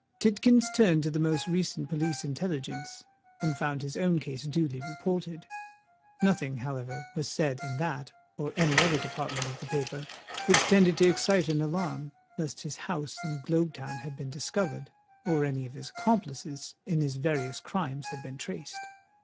Tidkins turned to the most recent Police Intelligence, and found his own case duly reported. Nothing, however, was said in that or any other department of the paper, which tended to excite an alarm lest his house in Globe Town had been discovered or any of his accomplices in his various crimes had been traced.